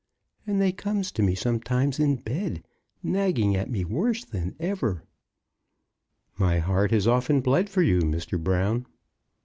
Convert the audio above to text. And they comes to me sometimes in bed, nagging at me worse than ever." "My heart has often bled for you, Mr. Brown."